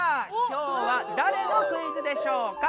今日はだれのクイズでしょうか？